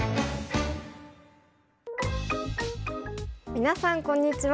皆さんこんにちは。